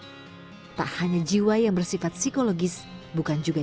mereka mengatakan bahwa ini adalah satu tahun yang paling penting kita ingin diberikan kebanyakan keuntungan